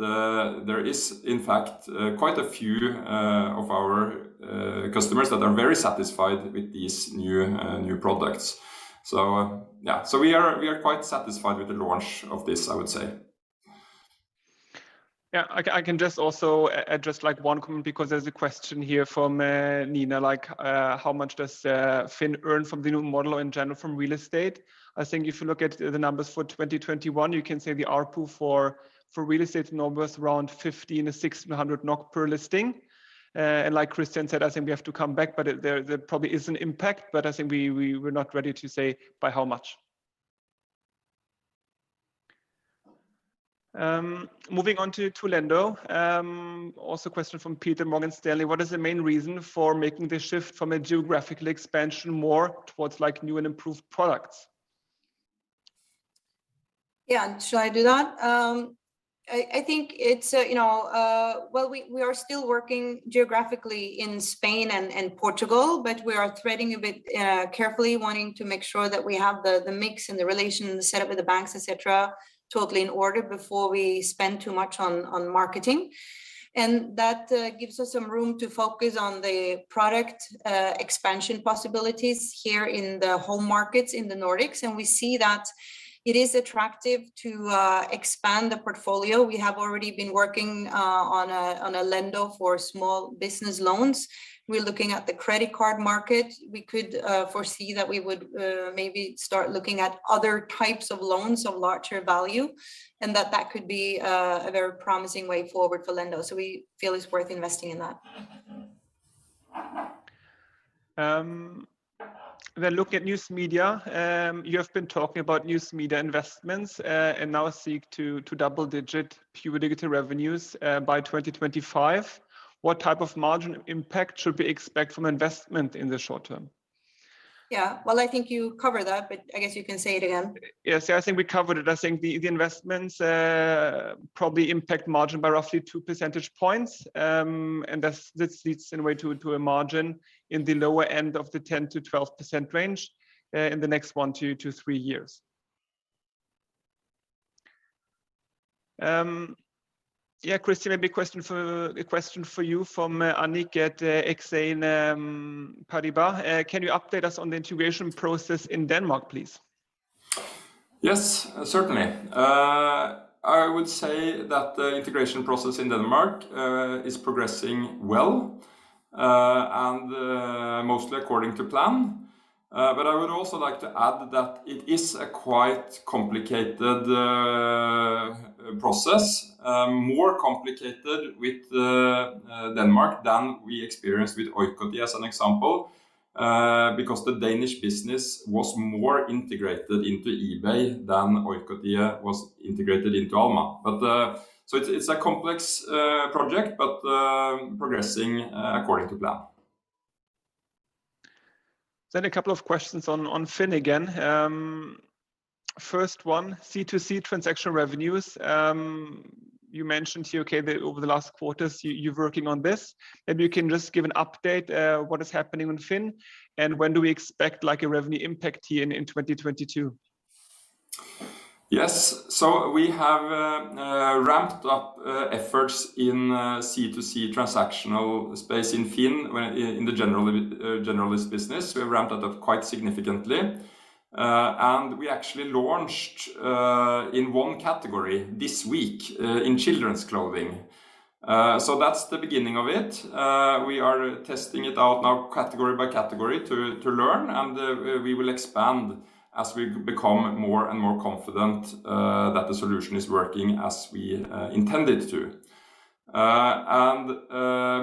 there is in fact quite a few of our customers that are very satisfied with these new products. Yeah. We are quite satisfied with the launch of this, I would say. Yeah. I can just also address like one comment, because there's a question here from Nina, like, how much does FINN earn from the new model or in general from real estate? I think if you look at the numbers for 2021, you can say the ARPU for real estate in Norway is around 1,500-1,600 NOK per listing. And like Christian said, I think we have to come back, but there probably is an impact, but I think we we're not ready to say by how much. Moving on to Lendo. Also a question from Pete, Morgan Stanley. What is the main reason for making the shift from a geographical expansion more towards like new and improved products? Yeah. Shall I do that? I think it's, you know, well, we are still working geographically in Spain and Portugal, but we are treading a bit carefully wanting to make sure that we have the mix and the relations set up with the banks, et cetera, totally in order before we spend too much on marketing. That gives us some room to focus on the product expansion possibilities here in the home markets in the Nordics. We see that it is attractive to expand the portfolio. We have already been working on a Lendo for small business loans. We're looking at the credit card market. We could foresee that we would maybe start looking at other types of loans of larger value, and that could be a very promising way forward for Lendo. We feel it's worth investing in that. Looking at News Media. You have been talking about News Media investments, and now seek to double-digit pure digital revenues by 2025. What type of margin impact should we expect from investment in the short term? Yeah. Well, I think you covered that, but I guess you can say it again. Yes. I think we covered it. I think the investments probably impact margin by roughly two percentage points. And this leads in a way to a margin in the lower end of the 10%-12% range in the next one-three years. Yeah, Christian, a question for you from Annick at Exane BNP Paribas. Can you update us on the integration process in Denmark, please? Yes, certainly. I would say that the integration process in Denmark is progressing well, and mostly according to plan. I would also like to add that it is a quite complicated process. More complicated with Denmark than we experienced with Oikotie as an example, because the Danish business was more integrated into eBay than Oikotie was integrated into Alma. It's a complex project, but progressing according to plan. A couple of questions on FINN again. First one, C2C transactional revenues. You mentioned here, okay, that over the last quarters you're working on this. Maybe you can just give an update, what is happening on FINN, and when do we expect like a revenue impact here in 2022? Yes. We have ramped up efforts in the C2C transactional space in FINN in the generalist business. We have ramped that up quite significantly. We actually launched in one category this week in children's clothing. That's the beginning of it. We are testing it out now category by category to learn, and we will expand as we become more and more confident that the solution is working as we intend it to.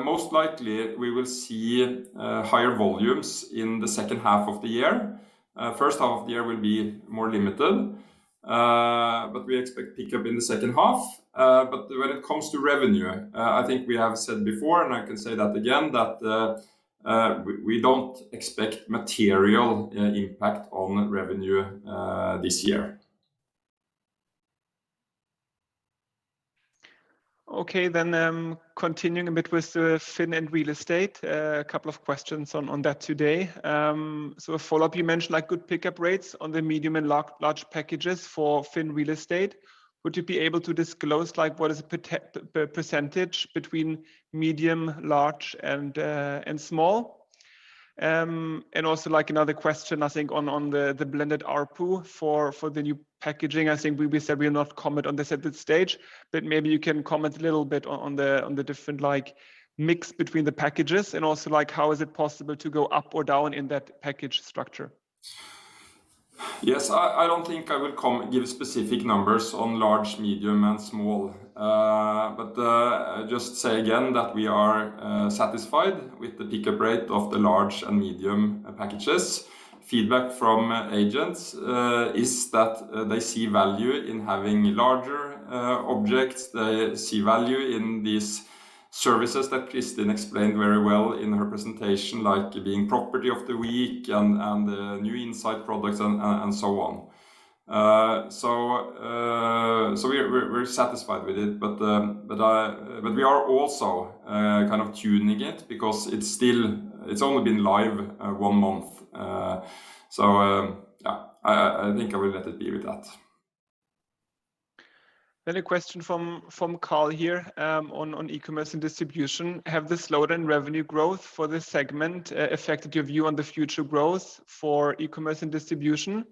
Most likely we will see higher volumes in the second half of the year. First half of the year will be more limited, but we expect pick up in the second half. When it comes to revenue, I think we have said before, and I can say that again, that we don't expect material impact on revenue this year. Okay. Continuing a bit with FINN and real estate. A couple of questions on that today. A follow-up, you mentioned like good pickup rates on the medium and large packages for FINN Real Estate. Would you be able to disclose like what is the percentage between medium, large, and small? Also like another question I think on the blended ARPU for the new packaging. I think we said we'll not comment on this at this stage, but maybe you can comment a little bit on the different like mix between the packages and also like how is it possible to go up or down in that package structure? Yes. I don't think I will give specific numbers on large, medium, and small. I just say again that we are satisfied with the pickup rate of the large and medium packages. Feedback from agents is that they see value in having larger objects. They see value in these services that Kristin explained very well in her presentation, like being property of the week and new insight products and so on. We're satisfied with it. We are also kind of tuning it because it's still only been live one month. I think I will let it be with that. A question from Carl here, on e-commerce and distribution. Have the slowdown revenue growth for this segment affected your view on the future growth for e-commerce and distribution?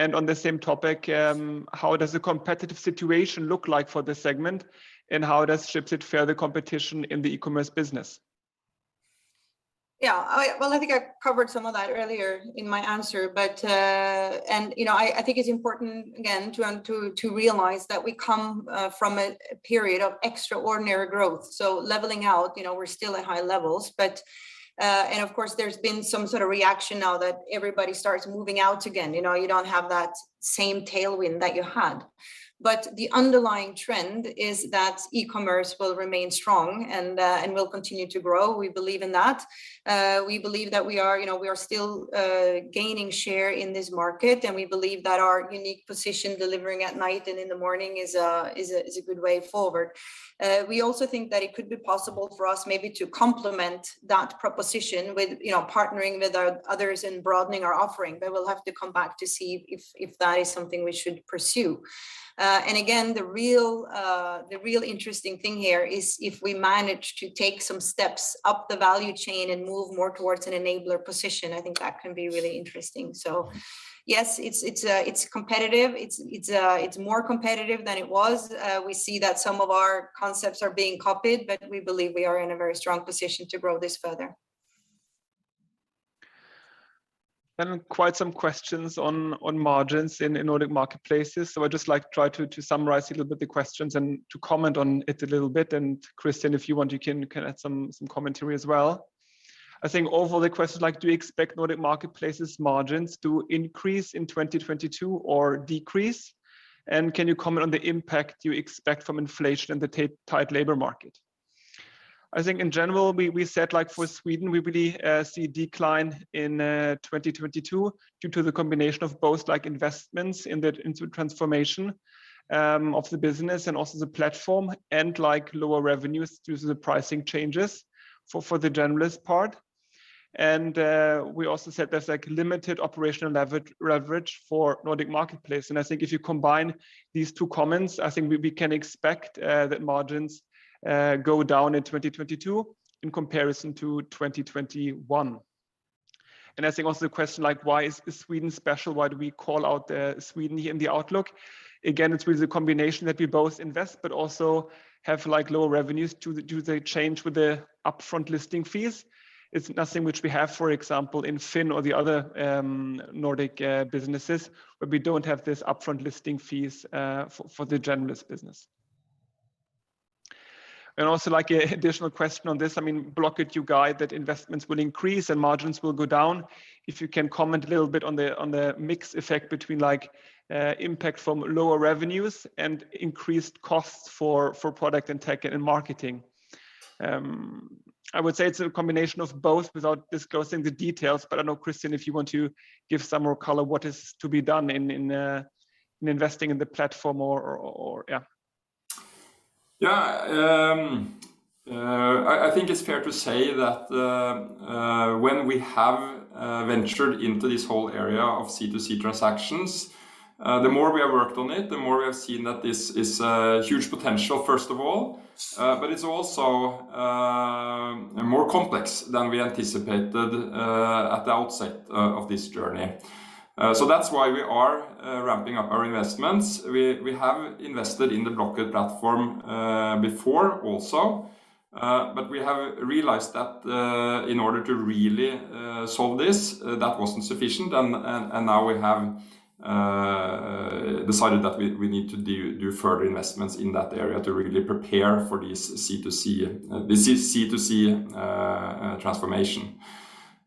On the same topic, how does the competitive situation look like for this segment, and how it has shifted further competition in the e-commerce business? Well, I think I covered some of that earlier in my answer, but you know, I think it's important again to realize that we come from a period of extraordinary growth. Leveling out, you know, we're still at high levels, but of course, there's been some sort of reaction now that everybody starts moving out again. You know, you don't have that same tailwind that you had. The underlying trend is that e-commerce will remain strong and will continue to grow. We believe in that. We believe that we are, you know, still gaining share in this market, and we believe that our unique position delivering at night and in the morning is a good way forward. We also think that it could be possible for us maybe to complement that proposition with, you know, partnering with our others and broadening our offering. We'll have to come back to see if that is something we should pursue. Again, the real interesting thing here is if we manage to take some steps up the value chain and move more towards an enabler position, I think that can be really interesting. Yes, it's competitive. It's more competitive than it was. We see that some of our concepts are being copied, but we believe we are in a very strong position to grow this further. Quite some questions on margins in Nordic Marketplaces. I'd just like to try to summarize a little bit the questions and to comment on it a little bit. Kristin, if you want, you can add some commentary as well. I think overall the question, like, do you expect Nordic Marketplaces margins to increase in 2022 or decrease? Can you comment on the impact you expect from inflation and the tight labor market? I think in general, we said, like, for Sweden, we really see decline in 2022 due to the combination of both, like, investments into transformation of the business and also the platform, and, like, lower revenues due to the pricing changes for the generalist part. We also said there's, like, limited operational leverage for Nordic Marketplaces. I think if you combine these two comments, I think we can expect that margins go down in 2022 in comparison to 2021. I think also the question, like, why is Sweden special? Why do we call out Sweden in the outlook? Again, it's really the combination that we both invest, but also have, like, lower revenues due to the change with the upfront listing fees. It's nothing which we have, for example, in FINN or the other Nordic businesses, where we don't have this upfront listing fees for the generalist business. Also, like, a additional question on this. I mean, Blocket, you guide that investments will increase and margins will go down. If you can comment a little bit on the mix effect between, like, impact from lower revenues and increased costs for product and tech and marketing. I would say it's a combination of both without disclosing the details. I know, Kristin, if you want to give some more color what is to be done in investing in the platform or. Yeah. Yeah. I think it's fair to say that when we have ventured into this whole area of C2C transactions, the more we have worked on it, the more we have seen that this is a huge potential, first of all. It's also more complex than we anticipated at the outset of this journey. That's why we are ramping up our investments. We have invested in the Blocket platform before also. We have realized that in order to really solve this, that wasn't sufficient. Now we have decided that we need to do further investments in that area to really prepare for this C2C transformation.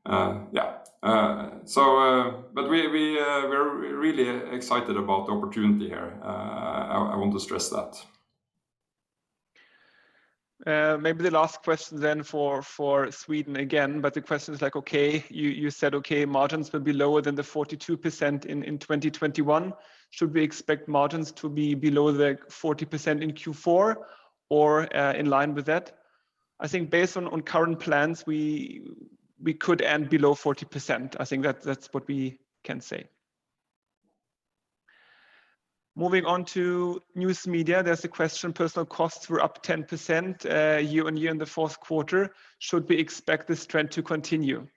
Yeah. We're really excited about the opportunity here. I want to stress that. Maybe the last question then for Sweden again, but the question is like, okay, you said, okay, margins will be lower than the 42% in 2021. Should we expect margins to be below the 40% in Q4 or in line with that? I think based on current plans, we could end below 40%. I think that's what we can say. Moving on to News Media, there's a question. Personnel costs were up 10% year-over-year in the fourth quarter. Should we expect this trend to continue?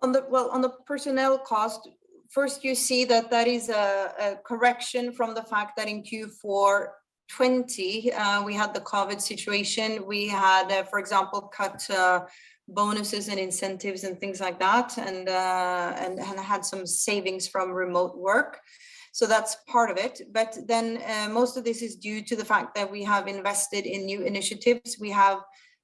Well, on the personnel cost, first you see that that is a correction from the fact that in Q4 2020, we had the COVID situation. We had, for example, cut bonuses and incentives and things like that and had some savings from remote work. That's part of it. Most of this is due to the fact that we have invested in new initiatives. We have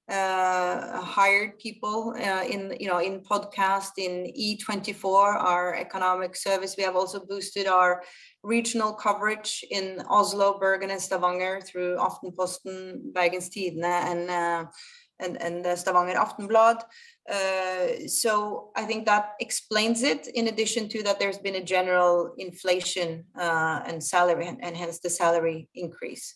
hired people, you know, in podcast, in E24, our economic service. We have also boosted our regional coverage in Oslo, Bergen, and Stavanger through Aftenposten, Bergens Tidende, and Stavanger Aftenblad. I think that explains it. In addition to that, there's been a general inflation and salary, and hence the salary increase.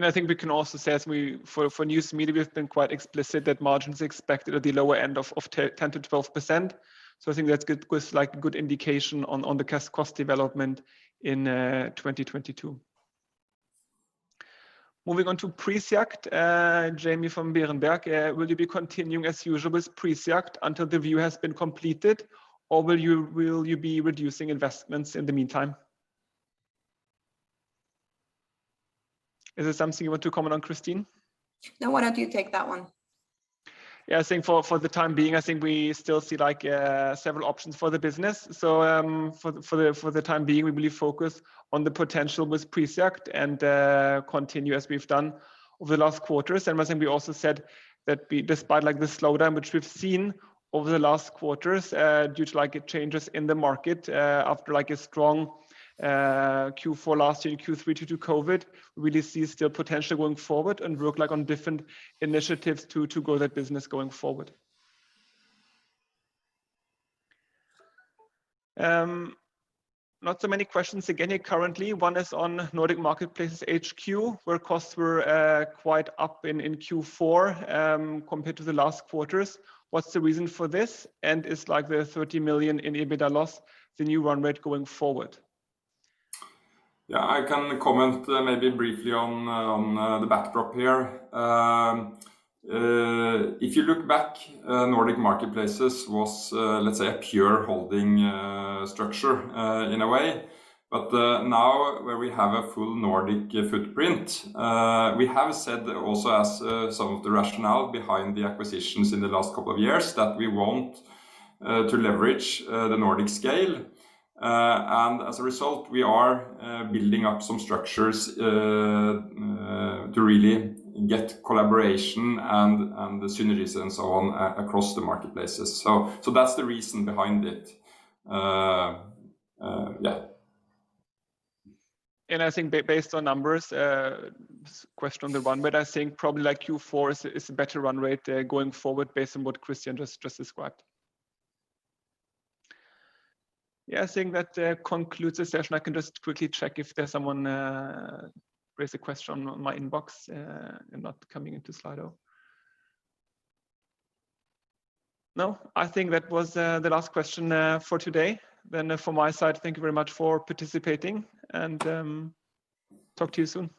I think we can also say for News Media, we've been quite explicit that margin is expected at the lower end of 10%-12%. I think that's a good indication on the cost development in 2022. Moving on to project, Jamie from Berenberg. Will you be continuing as usual with project until the review has been completed, or will you be reducing investments in the meantime? Is there something you want to comment on, Kristin? No. Why don't you take that one? Yeah, I think for the time being, I think we still see like several options for the business. For the time being we believe focus, on the potential with Presect and continue as we've done over the last quarters. Kristin, we also said that despite like the slowdown which we've seen over the last quarters due to like changes in the market after like a strong Q4 last year and Q3 due to COVID, we really see still potential going forward and work like on different initiatives to grow that business going forward. Not so many questions again here currently. One is on Nordic Marketplaces HQ, where costs were quite up in Q4 compared to the last quarters. What's the reason for this? Is like the 30 million in EBITDA loss the new run rate going forward? Yeah, I can comment maybe briefly on the backdrop here. If you look back, Nordic Marketplaces was, let's say, a pure holding structure, in a way. Now, where we have a full Nordic footprint, we have said also as some of the rationale behind the acquisitions in the last couple of years that we want to leverage the Nordic scale. And as a result, we are building up some structures to really get collaboration and the synergies and so on across the marketplaces. That's the reason behind it. Yeah. I think based on numbers, this question on the run rate, I think probably like Q4 is a better run rate going forward based on what Christian just described. Yeah, I think that concludes the session. I can just quickly check if there's someone raised a question on my inbox and not coming into slide. No, I think that was the last question for today. From my side, thank you very much for participating, and talk to you soon.